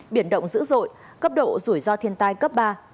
biển động dữ dội cấp độ rủi ro thiên tai cấp ba